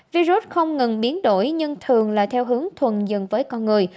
virus không ngừng biến đổi nhưng thường là theo hướng thuần dừng với con người